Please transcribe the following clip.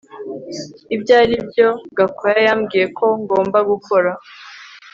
Ibyo aribyo Gakwaya yambwiye ko ngomba gukora